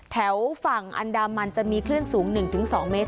แถวฝั่งอันดามันจะมีคลื่นสูงหนึ่งถึงสองเมตร